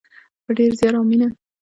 په ډیر زیار او مینه.